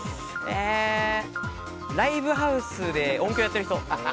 ライブハウスで音響やってる人。